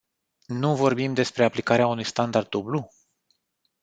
Nu vorbim despre aplicarea unui standard dublu?